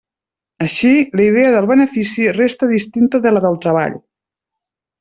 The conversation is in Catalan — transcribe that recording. Així, la idea del benefici resta distinta de la del treball.